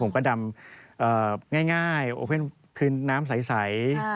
ผมก็ดำง่ายพื้นน้ำใส